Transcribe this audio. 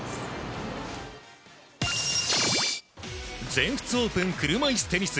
全仏オープン車いすテニス。